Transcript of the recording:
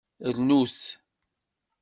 Rnut!